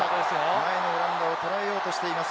前のランナーを捉えようとしています。